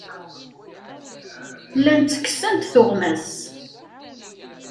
Llan ttekksen-d tuɣmas.